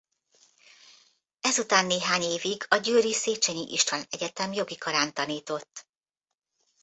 Ezután néhány évig a győri Széchenyi István Egyetem jogi karán tanított.